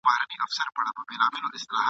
ویل پیره دا خرقه دي راکړه ماته ..